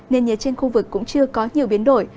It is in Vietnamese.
nền nhiệt trên khu vực cũng chưa có nhiều biến đổi